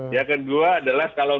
yang kedua adalah kalau